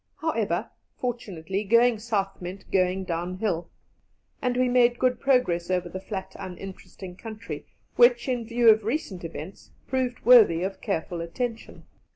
However, fortunately, going south meant going downhill, and we made good progress over the flat uninteresting country, which, in view of recent events, proved worthy of careful attention.